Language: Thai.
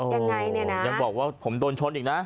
ยังไงเนี่ยนะยังบอกว่าผมโดนชนอีกนะ